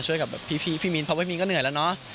ช่วยกับพี่มิ้นเพราะพี่มินก็เหนื่อยแล้วเนอะ